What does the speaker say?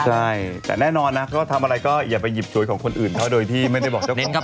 ใช่แต่แน่นอนนะก็ทำอะไรก็อย่าไปหยิบสวยของคนอื่นเขาโดยที่ไม่ได้บอกเจ้าของ